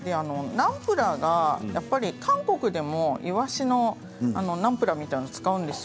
ナムプラーは韓国でもいわしのナムプラーみたいなものを使うんですよ。